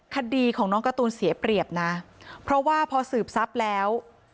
คดีของน้องการ์ตูนเสียเปรียบนะเพราะว่าพอสืบทรัพย์แล้ว